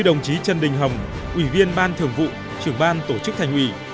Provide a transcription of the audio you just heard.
đồng chí trần đình hồng ủy viên ban thường vụ trưởng ban tổ chức thành ủy